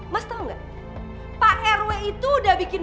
mas tau gak pak rw itu udah bikin